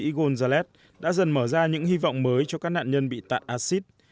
là bác sĩ gonzález đã dần mở ra những hy vọng mới cho các nạn nhân bị tạng acid